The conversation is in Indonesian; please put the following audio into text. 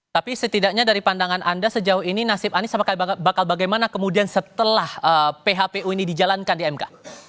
tapi setidaknya dari pandangan anda sejauh ini nasib anies bakal bagaimana kemudian setelah phpu ini dijalankan di mk